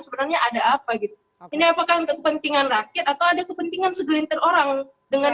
sebenarnya ada apa gitu ini apakah untuk kepentingan rakyat atau ada kepentingan segelintir orang dengan